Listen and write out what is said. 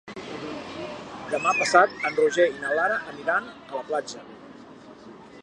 Demà passat en Roger i na Lara aniran a la platja.